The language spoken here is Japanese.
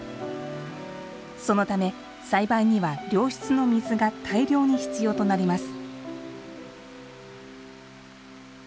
そのため栽培には良質の水が大量に必要となります。